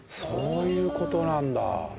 そういう事なんだ。